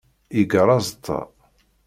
Yeggar aẓeṭṭa.